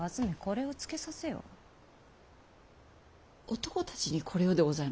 男たちにこれをでございますか？